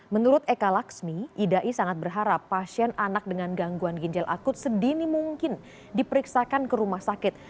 menurut eka laksmi idai sangat berharap pasien anak dengan gangguan ginjal akut sedini mungkin diperiksakan ke rumah sakit